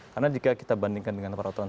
karena jika kita bandingkan dengan peraturan